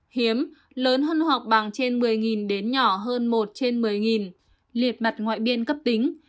hiếm lớn hơn hoặc bằng trên một mươi đến nhỏ hơn một trên một mươi liệt mặt ngoại biên cấp tính